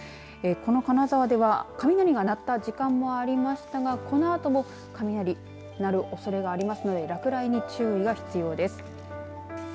この金沢では雷が鳴った時間もありましたがこのあとも雷鳴るおそれがありますので落雷に注意が必要です。